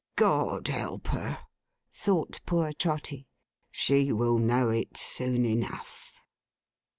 'God help her,' thought poor Trotty. 'She will know it soon enough.